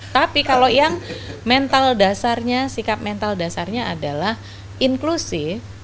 tapi kalau yang mental dasarnya sikap mental dasarnya adalah inklusif